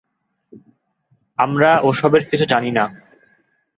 আমরা ও-সবের কিছু জানি না।